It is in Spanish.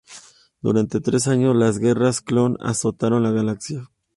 Durante tres años las Guerras clon azotaron la galaxia.